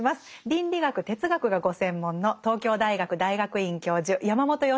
倫理学哲学がご専門の東京大学大学院教授山本芳久さんです。